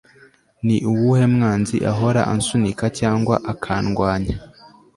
Ni uwuhe mwanzi ahora ansunika cyangwa akandwanya